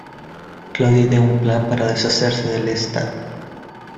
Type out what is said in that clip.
Claudia idea un plan para deshacerse de Lestat.